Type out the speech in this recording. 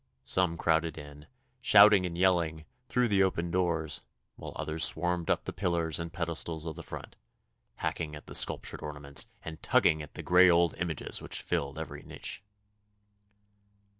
Some crowded in, shouting and yelling, through the open doors, while others swarmed up the pillars and pedestals of the front, hacking at the sculptured ornaments, and tugging at the grey old images which filled every niche.